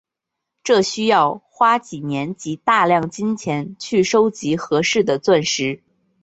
这需要花几年及大量金钱去收集合适的钻石。